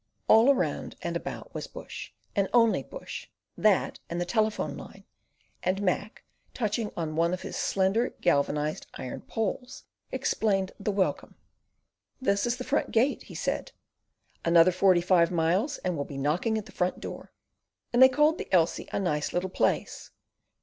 All around and about was bush, and only bush, that, and the telegraph line, and Mac, touching on one of the slender galvanized iron poles, explained the welcome. "This is the front gate." he said; "another forty five miles and we'll be knocking at the front door." And they called the Elsey "a nice little place."